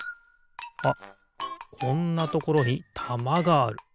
あっこんなところにたまがある。